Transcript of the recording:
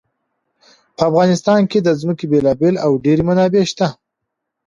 په افغانستان کې د ځمکه بېلابېلې او ډېرې منابع شته.